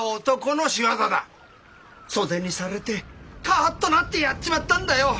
袖にされてカッとなってやっちまったんだよ！